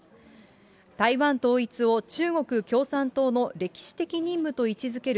台湾統一を中国共産党の歴史的任務と位置づける